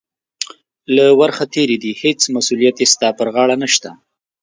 له ورخه تېرې دي، هېڅ مسؤلیت یې ستا پر غاړه نشته.